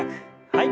はい。